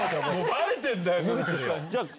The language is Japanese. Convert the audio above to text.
バレてんだよ！